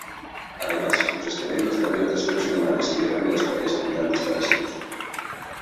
Además, los excrementos de gaviotas y otros animales liberan en las playas abundantes parásitos.